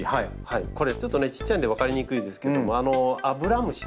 これちょっとねちっちゃいんで分かりにくいんですけどもアブラムシ。